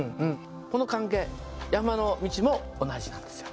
この関係山の道も同じなんですよ。